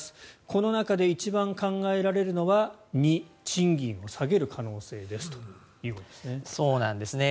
この中で一番考えられるのは２、賃金を下げる可能性ですということですね。